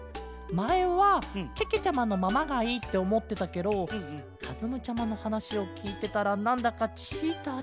まえはけけちゃまのままがいいっておもってたケロかずむちゃまのはなしをきいてたらなんだかチーターちゃまに。